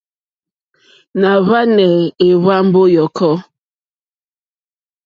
Nà hwànè èhwambo yɔ̀kɔ.